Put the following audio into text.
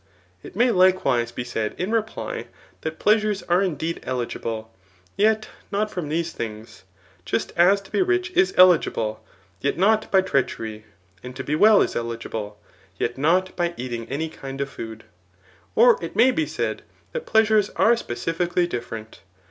It may likewise be said in reply, that pleasures are indeed eligible, yet not from the^e things ; just, as to be rich is eligible, yet not by treachery ; and to be well is eligible, yet not by eating any kind of food. Or it may be said, that pleasures are specifically different.